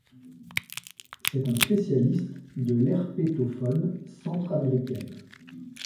C'est un spécialiste de l'herpétofaunes centre-américaine.